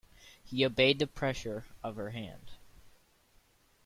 He obeyed the pressure of her hand.